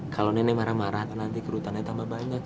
kalau nenek marah marah nanti kerutannya tambah banyak